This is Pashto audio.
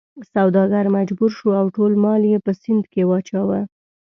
سوداګر مجبور شو او ټول مال یې په سیند کې واچاوه.